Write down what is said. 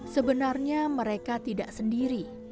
sebenarnya mereka tidak sendiri